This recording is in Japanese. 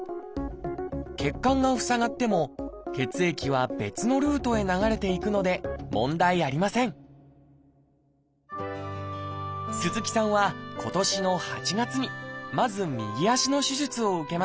血管が塞がっても血液は別のルートへ流れていくので問題ありません鈴木さんは今年の８月にまず右足の手術を受けました。